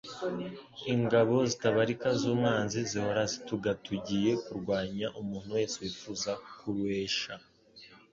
Ingabo zitabarika z'umwanzi zihora zitugatugiye kurwanya umuntu wese wifuza kuruesha;